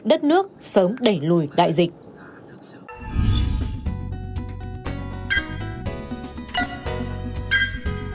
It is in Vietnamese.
đất nước sớm đẩy lùi đại dịch